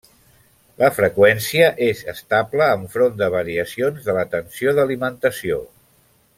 La freqüència és estable enfront de variacions de la tensió d'alimentació.